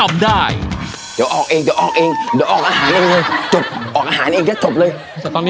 มาเลยค่ะสดเลยค่ะ